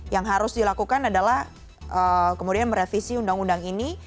yang harus dilakukan adalah kemudian merevisi undang undang ini